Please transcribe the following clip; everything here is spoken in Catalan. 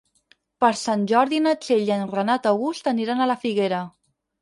Per Sant Jordi na Txell i en Renat August aniran a la Figuera.